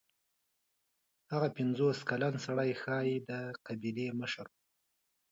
هغه پنځوس کلن سړی ښايي د قبیلې مشر و.